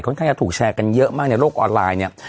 ข้างจะถูกแชร์กันเยอะมากในโลกออนไลน์เนี่ย